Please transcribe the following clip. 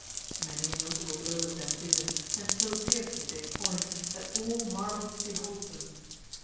Many a notable blow was then given, and so fiercely they foined that all marvelled to behold them.